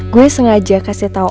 gue sengaja kasih tau